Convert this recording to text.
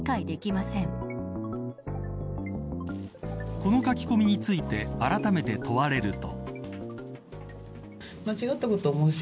この書き込みについてあらためて問われると。